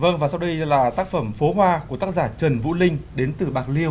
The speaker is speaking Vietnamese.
vâng và sau đây là tác phẩm phố hoa của tác giả trần vũ linh đến từ bạc liêu